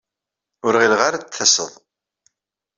Ur ɣileɣ ara ad d-taseḍ.